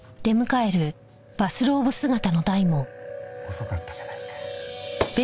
遅かったじゃないか。